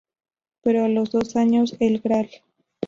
Pero a los dos años el Gral.